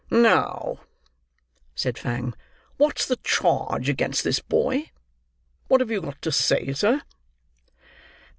"Now," said Fang, "what's the charge against this boy? What have you got to say, sir?"